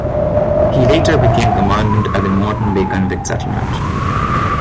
He later became commandant at the Moreton Bay convict settlement.